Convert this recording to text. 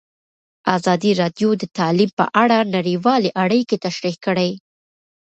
ازادي راډیو د تعلیم په اړه نړیوالې اړیکې تشریح کړي.